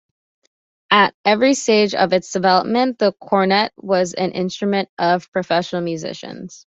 At every stage of its development the cornett was an instrument of professional musicians.